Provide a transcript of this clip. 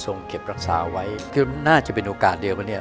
เก็บรักษาไว้คือน่าจะเป็นโอกาสเดียวกันเนี่ย